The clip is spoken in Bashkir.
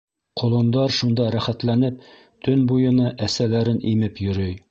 Ҡолондар шунда рәхәтләнеп төн буйына әсәләрен имеп йөрөй.